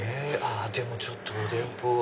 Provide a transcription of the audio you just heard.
ちょっとおでんっぽい。